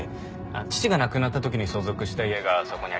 父が亡くなった時に相続した家がそこにありまして。